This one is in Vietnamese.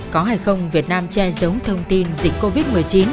có hay không việt nam che giấu thông tin dịch covid một mươi chín